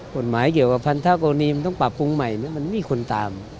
กฎหมายเกี่ยวกับพันธกรณีมันต้องปรับปรุงใหม่มันมีคนตาม